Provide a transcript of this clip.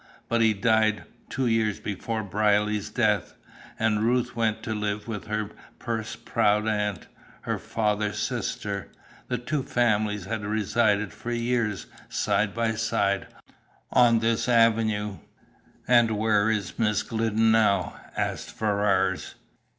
But he died, two years before Brierly's death, and Ruth went to live with her purse proud aunt, her father's sister. The two families had resided for years, side by side, on this avenue." "And where is Miss Glidden now?" asked Ferrars.